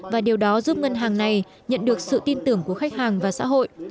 và điều đó giúp ngân hàng này nhận được sự tin tưởng của khách hàng và xã hội